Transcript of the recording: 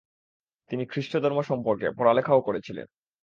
তিনি খ্রীষ্টধর্ম সম্পর্কে পড়ালেখাও করেছিলেন।